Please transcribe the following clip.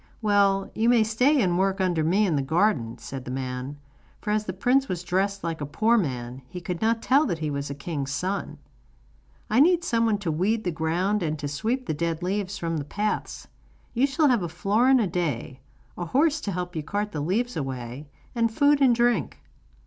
'Well, you may stay and work under me in the garden,' said the man; for as the prince was dressed like a poor man, he could not tell that he was a king's son. 'I need someone to weed the ground and to sweep the dead leaves from the paths. You shall have a florin a day, a horse to help you to cart the leaves away, and food and drink.